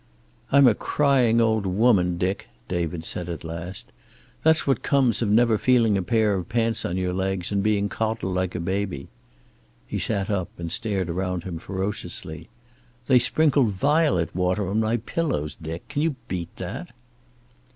"I'm a crying old woman, Dick," David said at last. "That's what comes of never feeling a pair of pants on your legs and being coddled like a baby." He sat up and stared around him ferociously. "They sprinkle violet water on my pillows, Dick! Can you beat that?"